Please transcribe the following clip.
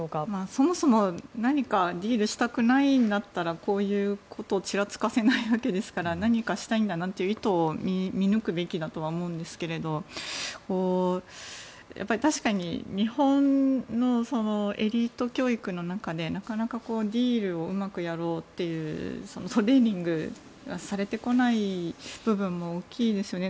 そもそも何かディールしたくないんだったらこういうことをちらつかせないわけですから何かしたいんだなという意図を見抜くべきだとは思うんですが確かに日本のエリート教育の中でなかなかディールをうまくやろうというトレーニングがされてこない部分も大きいですよね。